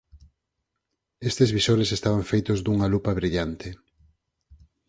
Estes visores estaban feitos dunha lupa brillante.